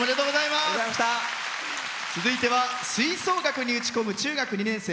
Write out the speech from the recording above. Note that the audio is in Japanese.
続いては吹奏楽に打ち込む中学２年生。